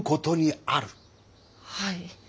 はい。